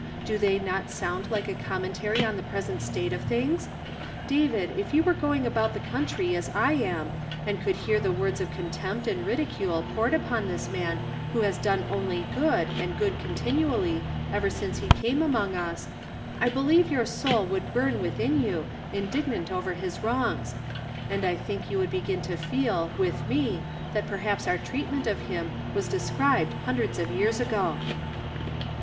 Do they i ot sound like a eouuuentary on the present state of thuigs ? David, if you weie going ahout the » ountrv as I am, and eould hear the words of oontcmijt and ri(Hcule poured ui)on tliis man who luus ilone only good, and good continually, ever since lu came among us, I believe your soul wotdd burn within you, ii .gnant over his wrongs ; and I think vou would begin to feel, with me, that perhaps our treatment of him was described hundreds of years aijo.